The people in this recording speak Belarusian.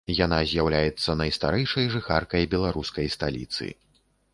Яна з'яўляецца найстарэйшай жыхаркай беларускай сталіцы.